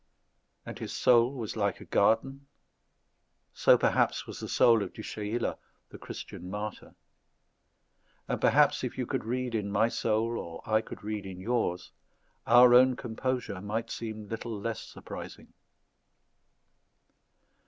And his soul was like a garden? So perhaps was the soul of Du Chayla, the Christian martyr. And perhaps if you could read in my soul, or I could read in yours, our own composure might seem little less surprising.